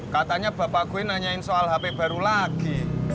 katanya bapak gue nanyain soal hp baru lagi